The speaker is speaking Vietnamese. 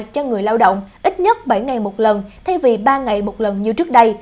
cho người lao động ít nhất bảy ngày một lần thay vì ba ngày một lần như trước đây